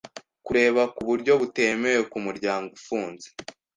kureba ku buryo butemewe ku muryango ufunze